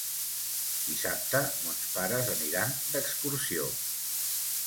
Dissabte mons pares aniran d'excursió.